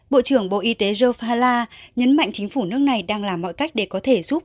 bộ trưởng bộ y tế jofala nhấn mạnh chính phủ nước này đang làm mọi cách để có thể giúp